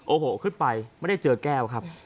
โอ้โหขึ้นไปไม่ได้เจอแก้วครับ